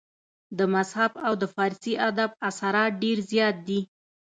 د مذهب او د فارسي ادب اثرات ډېر زيات دي